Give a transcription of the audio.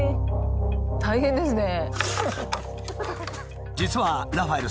大変ですね。